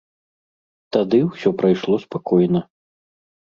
Тады ўсё прайшло спакойна.